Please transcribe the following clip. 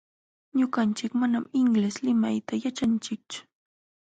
Ñuqanchik manam inglés limayta yaćhanchikchu.